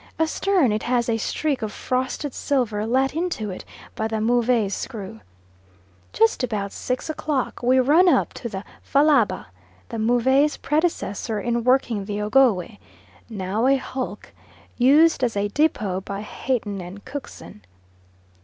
Astern, it has a streak of frosted silver let into it by the Move's screw. Just about six o'clock, we run up to the Fallaba, the Move's predecessor in working the Ogowe, now a hulk, used as a depot by Hatton and Cookson.